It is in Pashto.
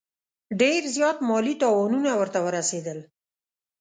ډېر زیات مالي تاوانونه ورته ورسېدل.